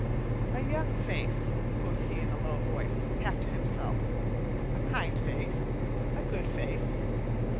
"A young face," quoth he in a low voice, half to himself, "a kind face, a good face.